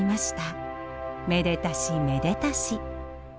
めでたしめでたし。